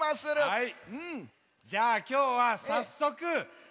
はい！